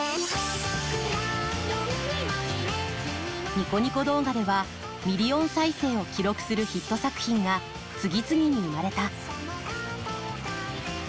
ニコニコ動画ではミリオン再生を記録するヒット作品が次々に生まれた。